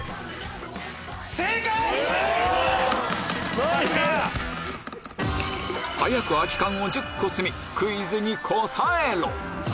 さすが！早く空き缶を１０個積みクイズに答えろ！